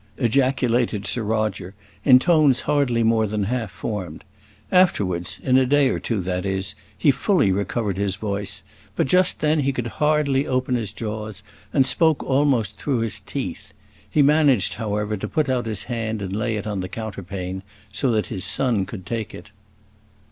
ejaculated Sir Roger, in tones hardly more than half formed: afterwards, in a day or two that is, he fully recovered his voice; but just then he could hardly open his jaws, and spoke almost through his teeth. He managed, however, to put out his hand and lay it on the counterpane, so that his son could take it.